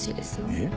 えっ？